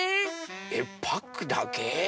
えっパックだけ？